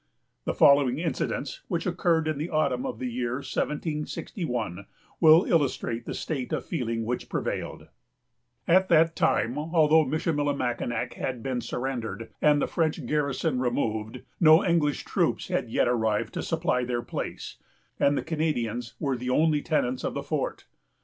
The following incidents, which occurred in the autumn of the year 1761, will illustrate the state of feeling which prevailed:—— At that time, although Michillimackinac had been surrendered, and the French garrison removed, no English troops had yet arrived to supply their place, and the Canadians were the only tenants of the fort.